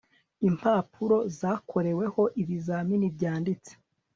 impapuro zakoreweho ibizamini byanditse